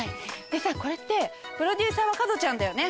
でさこれってプロデューサーはカドちゃんだよね？